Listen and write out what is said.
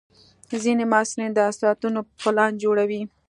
ځینې محصلین د ساعتونو پلان جوړوي.